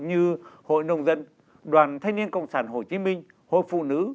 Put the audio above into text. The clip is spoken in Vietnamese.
như hội nông dân đoàn thanh niên cộng sản hồ chí minh hội phụ nữ